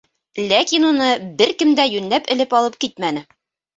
Ләкин уны бер кем дә йүнләп элеп алып китмәне.